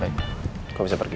baik kamu bisa pergi